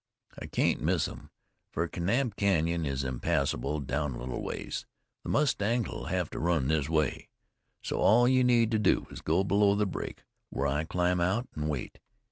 I can't miss 'em, fer Kanab Canyon is impassable down a little ways. The mustangs will hev to run this way. So all you need do is go below the break, where I climb out, an' wait.